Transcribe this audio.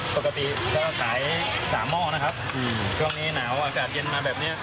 ปกติก็ขาย๓หม้อนะครับช่วงนี้หนาวอากาศเย็นมาแบบนี้